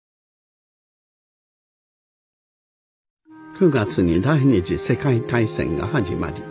９月に第二次世界大戦が始まり